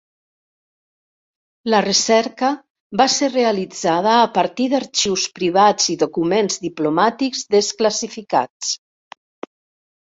La recerca va ser realitzada a partir d'arxius privats i documents diplomàtics desclassificats.